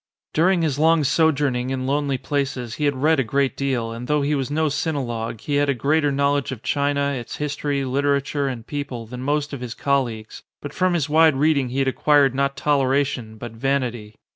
During his long sojourning in lonely places he had read a great deal, and though he was no sinologue he had a greater knowledge of China, its history, literature, and people, than most of his colleagues ; but from his wide reading he had acquired not toleration but vanity.